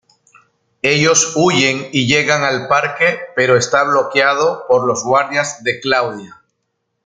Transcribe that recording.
Ellos huyen y llegan al parque pero está bloqueado por los guardias de Claudia.